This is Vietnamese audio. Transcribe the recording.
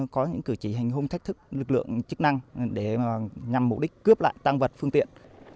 có những cử chỉ hành hung thách thức lực lượng chức năng để nhằm mục đích cướp lại tăng vật phương tiện